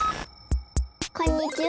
こんにちは！